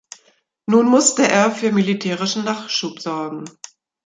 Nun musste er für militärischen Nachschub sorgen.